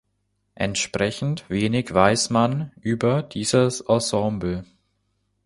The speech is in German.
Entsprechend wenig weiß man über dieses Ensemble.